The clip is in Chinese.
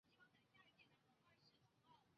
母左氏。